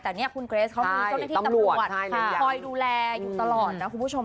แต่เนี่ยคุณเกรสเขามีเจ้าหน้าที่ตำรวจคอยดูแลอยู่ตลอดนะคุณผู้ชม